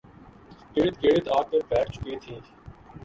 ارد گرد آ کر بیٹھ چکے تھی